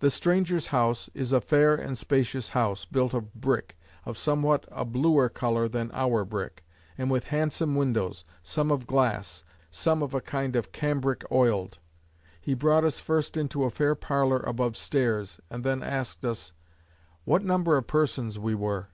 The Strangers' House is a fair and spacious house, built of brick, of somewhat a bluer colour than our brick; and with handsome windows, some of glass, some of a kind of cambric oiled. He brought us first into a fair parlour above stairs, and then asked us, "What number of persons we were?